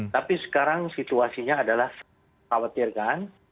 tapi sekarang situasinya adalah khawatirkan